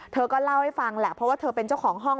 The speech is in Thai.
เธอก็เล่าให้ฟังแหละเพราะว่าเธอเป็นเจ้าของห้อง